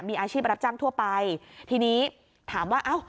มีอาชีพรับจ้างทั่วไปทีนี้ถามว่าเอ้า